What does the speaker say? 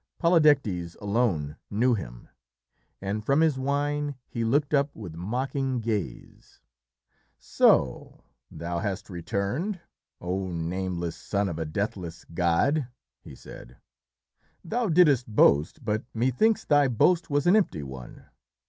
Polydectes alone knew him, and from his wine he looked up with mocking gaze. "So thou hast returned? oh nameless son of a deathless god," he said. "Thou didst boast, but methinks thy boast was an empty one!"